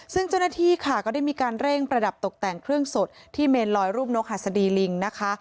ซึ่งเจ้าหน้าที่ค่ะก็ได้มีการเร่งประดับตกแต่งเครื่องสดที่เมนลอยรูปนกหัสดีลิงนะคะ